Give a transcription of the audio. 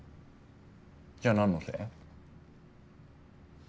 じゃあ何のせい？